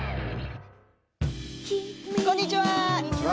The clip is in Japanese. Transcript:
こんにちは。